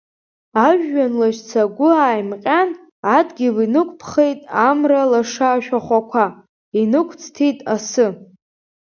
Ажәҩан лашьца агәы ааимҟьан, адгьыл инықәԥхеит амра лаша ашәахәақәа, инықәӡҭит асы.